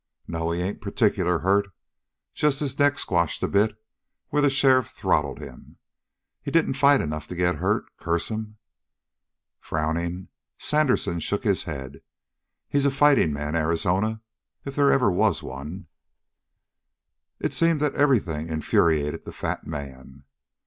"No, he ain't particular hurt. Just his neck squashed a bit where the sheriff throttled him. He didn't fight enough to get hurt, curse him!" Frowning, Sandersen shook his head. "He's a fighting man, Arizona, if they ever was one." It seemed that everything infuriated the fat man.